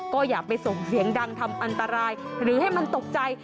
ก็อย่าไปส่งเสียงดังทำอันตรายหรือให้มันตกใจ